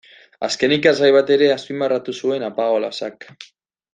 Azken ikasgai bat ere azpimarratu zuen Apaolazak.